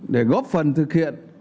để góp phần thực hiện